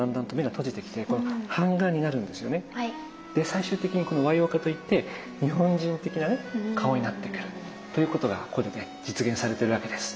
最終的にこの和様化と言って日本人的なね顔になってくるということがここでね実現されてるわけです。